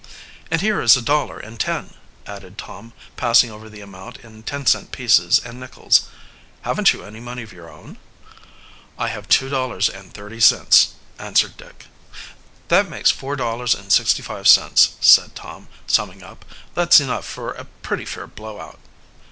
"And here is a dollar and ten," added Tom, passing over the amount in ten cent pieces and nickels. "Haven't you any money of your Own?" "I have two dollars and thirty cents," answered Dick. "That makes four dollars and sixty five cents," said Tom, summing up. "That's enough for a pretty fair blow out."